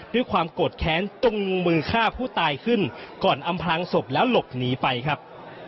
ด้วยความโกรธแค้นจงมือฆ่าผู้ตายขึ้นก่อนอำพลางศพแล้วหลบหนีไปครับ